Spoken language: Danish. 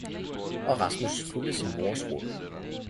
Og Rasmus fulgte sin moders råd.